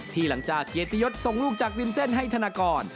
ที่หลังจากเกตยศส่งลูกจากริมเซ่นให้ธนกร